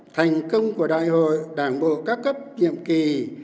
thành công của đại hội đảng bộ các cấp nhiệm kỳ hai nghìn hai mươi hai nghìn hai mươi năm